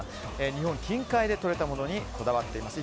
日本近海でとれたものにこだわっています。